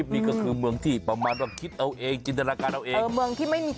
นี่ก็คือเมืองที่เราคิดเอาเองนิวสารมีจริง